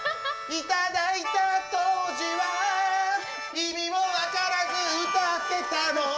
「頂いた当時は意味も分からず歌ってたの」